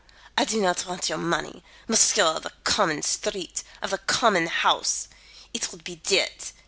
I do not want your money, Monsieur of the common street, of the common house. It would be dirt.